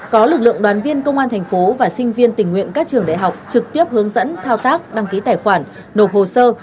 có lực lượng đoàn viên công an thành phố và sinh viên tình nguyện các trường đại học trực tiếp hướng dẫn thao tác đăng ký tài khoản nộp hồ sơ